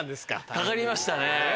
かかりましたね。